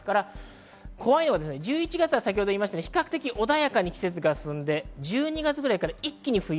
怖いのが１１月は比較的穏やかに季節が進んで１２月ぐらいから一気に冬。